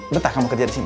betah kamu kerja disini